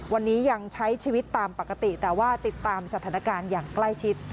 วันนี้ยังใช้ชีวิตตามปกติแต่ว่าติดตามสถานการณ์อย่างใกล้ชิด